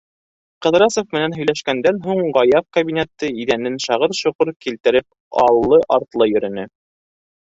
Ҡыҙрасов менән һөйләшкәндән һуң Гаяф кабинеты иҙәнен шағыр-шоғор килтереп аллы-артлы йөрөнө.